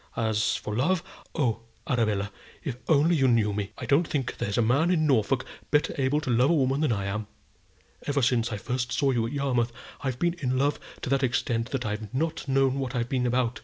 As for love; oh, Arabella, if you only knew me! I don't think there's a man in Norfolk better able to love a woman than I am. Ever since I first saw you at Yarmouth, I've been in love to that extent that I've not known what I've been about.